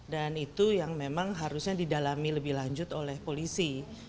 dan itu yang memang harusnya didalami lebih lanjut oleh polisi